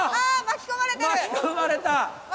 巻き込まれた！